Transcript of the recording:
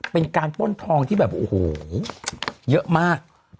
เป็นการป้นทองที่แบบโอ้โหเยอะมาก